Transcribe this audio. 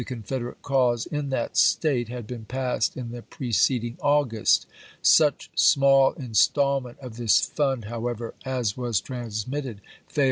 v. Confederate cause in that State, had been passed in the preceding August. Such small instalment of this fund, however, as was transmitted, failed vom,°